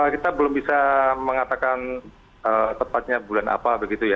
kita belum bisa mengatakan tepatnya bulan apa begitu ya